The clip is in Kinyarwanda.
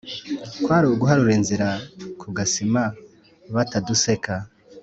kwari ugaharura inzira, ku gasima bataduseka